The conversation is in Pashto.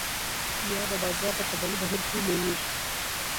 یا د بازار په طبیعي بهیر کې لویږي.